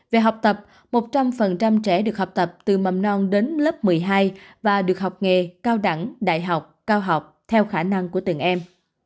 về học tập một trăm linh trẻ được học tập từ mầm non đến lớp một mươi hai và được học nghề cao đẳng đại học cao học theo khả năng của từng em